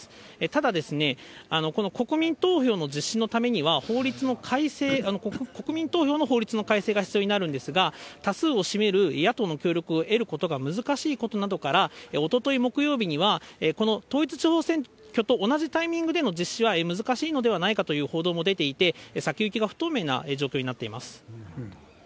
ただ、この国民投票の実施のためには法律の改正、国民投票の法律の改正が必要になるんですが、多数を占める野党の協力を得ることが難しいことなどから、おととい木曜日には、この統一地方選挙と同じタイミングでの実施は難しいのではないかという報道も出ていて、先行きが不透明な状況になっています。